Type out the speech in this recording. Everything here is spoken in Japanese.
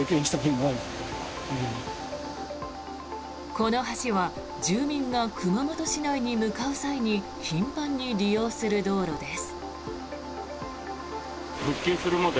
この橋は住民が熊本市内に向かう際に頻繁に利用する道路です。